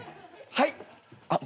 はい。